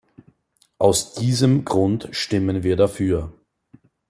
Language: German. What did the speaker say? Aus diesem Grund stimmen wir dafür.